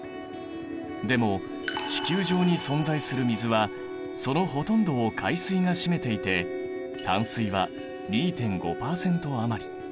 でも地球上に存在する水はそのほとんどを海水が占めていて淡水は２．５％余り。